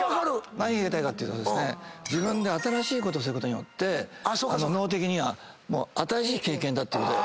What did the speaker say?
何が言いたいかというと自分で新しいことをすることによって脳的には新しい経験だっていうので。